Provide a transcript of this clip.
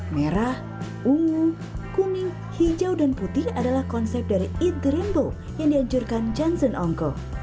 merah ungu kuning hijau dan putih adalah konsep dari eat the rimbo yang dianjurkan johnson ongko